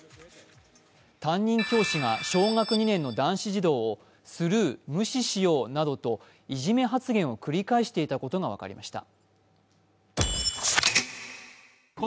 担任教師が小学２年の男子児童をスルー、無視しようなどといじめ発言を繰り返していたことが分かりました。